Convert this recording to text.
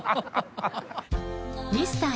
ミスター